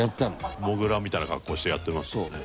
富澤：モグラみたいな格好してやってましたよね。